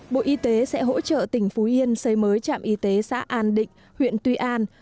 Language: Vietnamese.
bộ y tế sẽ hỗ trợ tỉnh phú yên xây mới trạm y tế xã an định huyện tuy an